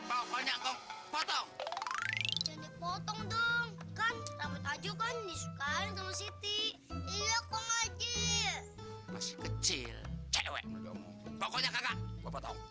potong potong dong kan rambut aja kan suka ngasih ti iya kong aja masih kecil cewek pokoknya kakak